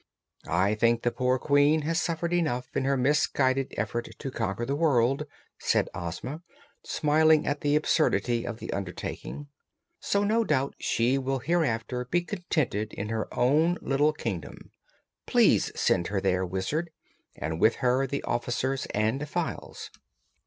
"I think the poor Queen has suffered enough in her misguided effort to conquer the world," said Ozma, smiling at the absurdity of the undertaking, "so no doubt she will hereafter be contented in her own little Kingdom. Please send her there, Wizard, and with her the officers and Files."